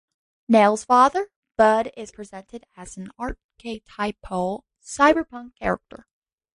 Nell's father, Bud, is presented as an archetypal cyberpunk character.